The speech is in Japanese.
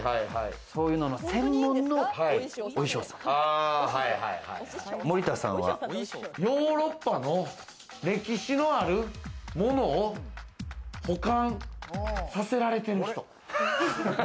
そういうのの専門のお衣装さヨーロッパの歴史のあるものを保管させられてる人。